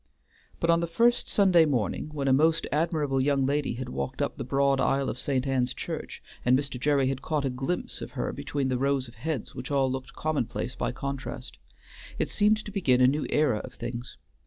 But on the first Sunday morning, when a most admirable young lady had walked up the broad aisle of St. Ann's church, and Mr. Gerry had caught a glimpse of her between the rows of heads which all looked commonplace by contrast, it seemed to begin a new era of things.